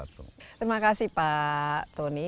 terima kasih pak tony